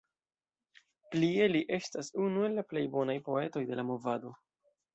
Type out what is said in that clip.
Plie li estas unu el la plej bonaj poetoj de la Movado.